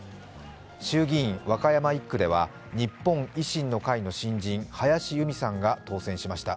衆議院和歌山１区では日本維新の会の新人、林佑美さんが当選しました。